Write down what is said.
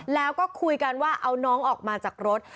แล้วก็คุยกันว่าเอาน้องออกมาจากรถ